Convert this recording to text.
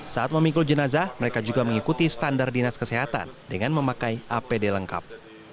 saat memikul jenazah mereka juga mengikuti standar dinas kesehatan dengan memakai apd lengkap